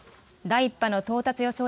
第１波の到達予想